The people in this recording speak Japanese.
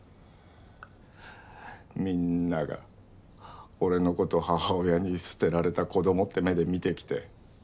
みんなが俺の事を母親に捨てられた子供って目で見てきて。